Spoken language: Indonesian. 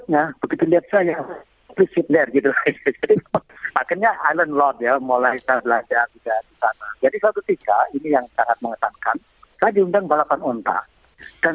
nah saya membaca itu jam dua